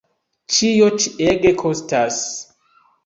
Ĉio ĉi ege kostas.